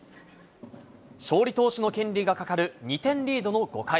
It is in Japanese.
勝利投手の権利がかかる２点リードの５回。